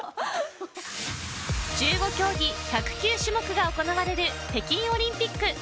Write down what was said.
１５競技１０９種目が行われる北京オリンピック